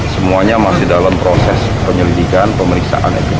semuanya masih dalam proses penyelidikan pemeriksaan